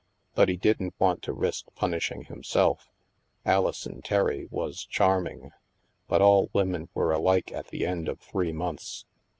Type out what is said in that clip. But he didn't want to risk punishing himself. Alison Terry was charming. But all women were alike at the end of three months.